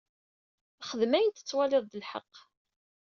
Xdem ayen tettwaliḍ d lḥeqq.